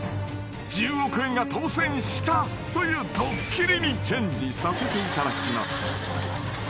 ［１０億円が当せんしたというドッキリにチェンジさせていただきます］